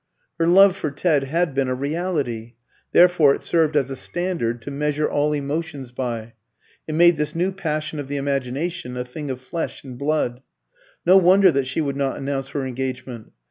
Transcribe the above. Her love for Ted had been a reality; therefore it served as a standard to measure all emotions by it made this new passion of the imagination a thing of flesh and blood. No wonder that she would not announce her engagement.